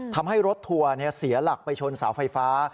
ทำให้รถทัวร์เสียหลักไปชนเสาไฟฟ้า